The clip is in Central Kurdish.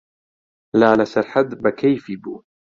لالە سەرحەد بە کەیفی بوو.